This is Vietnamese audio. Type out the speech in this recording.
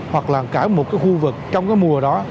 hoặc là cả một cái khu vực trong cái mùa đó